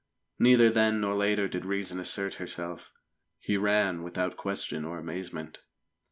Neither then nor later did Reason assert herself. He ran without question or amazement.